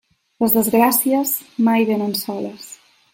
Les desgràcies, mai vénen soles.